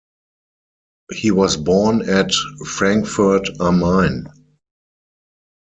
He was born at Frankfurt-am-Main.